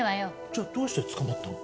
じゃあどうして捕まったの？